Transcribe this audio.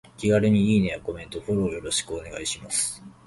気軽にいいねやコメント、フォローよろしくお願いします。